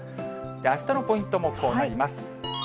あしたのポイントもこうなります。